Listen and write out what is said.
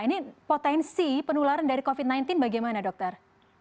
ini potensi penularan dari covid sembilan belas bagaimana dokter